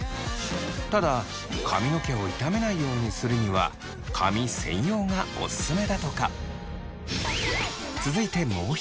ただ髪の毛を傷めないようにするには髪専用がおすすめだとか。